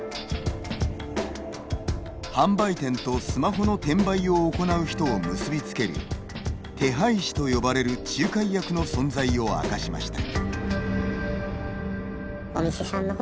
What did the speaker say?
販売店とスマホの転売を行う人を結び付ける手配師と呼ばれる仲介役の存在を明かしました。